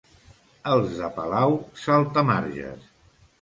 Els de Palau, saltamarges.